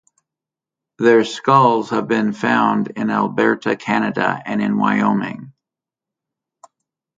Their skulls have been found in Alberta, Canada and in Wyoming.